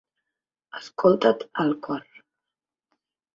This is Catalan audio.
Escolta't el cor.